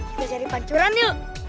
kita cari pancuran yuk